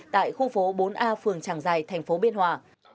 tại khu phố bốn a phường tràng giài thành phố biên hòa